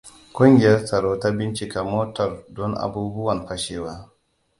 Kungiyar tsaro ta bincika motar don abubuwan fashewa.